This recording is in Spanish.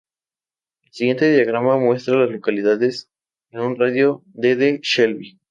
El siguiente diagrama muestra a las localidades en un radio de de Shelby.